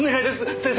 先生。